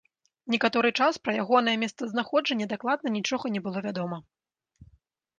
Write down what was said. Некаторы час пра ягонае месцазнаходжанне дакладна нічога не было вядома.